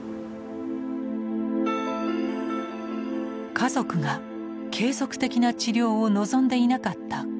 家族が継続的な治療を望んでいなかった鋼一さん。